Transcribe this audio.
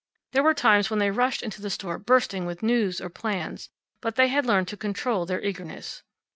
There were times when they rushed into the store bursting with news or plans, but they had learned to control their eagerness.